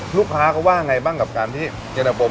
ลูกค้าก็ว่ายังไงบ้างที่เย็นตะโฟ